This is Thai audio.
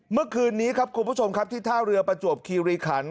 เมื่อคืนนี้ครับคุณผู้ชมครับที่ท่าเรือประจวบคีรีขัน